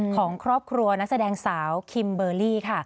ของครอบครัวนักแสดงสาวคิมเบอร์รี่ค่ะ